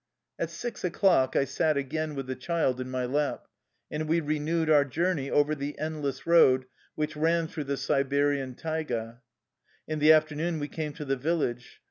At six o'clock I sat again with the child in my lap, and we renewed our journey over the endless road which ran through the Siberian taigd.^^ In the afternoon we came to the vil lage.